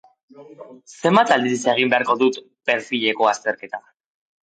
Zenbat aldiz egin beharko dut perfileko azterketa?